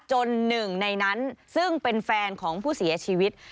หนึ่งในนั้นซึ่งเป็นแฟนของผู้เสียชีวิต